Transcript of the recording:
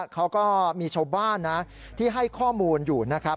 เขาก็มีชาวบ้านที่ให้ข้อมูลอยู่